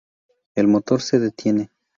El motor se detiene.